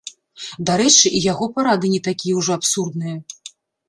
Дарэчы, і яго парады не такія ўжо абсурдныя.